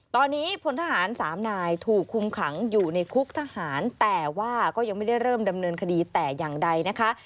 ตอนนี้พลทหารสามนายถูกคุมขังอยู่ในคุกทหารแต่ว่าก็ยังไม่ได้เริ่มดำเนินคดีแต่อย่างใดนะคะ